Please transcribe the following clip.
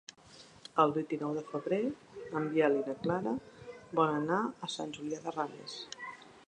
El vint-i-nou de febrer en Biel i na Clara volen anar a Sant Julià de Ramis.